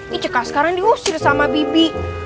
dicekas sekarang diusir sama bibi